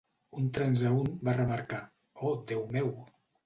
Un transeünt va remarcar: Oh, déu meu!